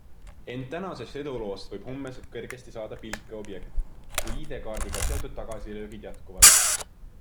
Ent tänasest eduloost võib homme kergesti saada pilkeobjekt, kui ID-kaardiga seotud tagasilöögid jätkuvad.